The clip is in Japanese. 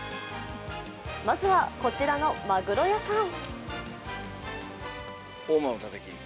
まずは、こちらのまぐろ屋さん。